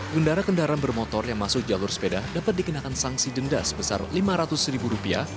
kendaraan kendaraan bermotor yang masuk jalur sepeda dapat dikenakan sanksi denda sebesar lima ratus ribu rupiah